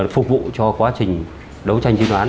phục vụ cho quá trình đấu tranh chuyên án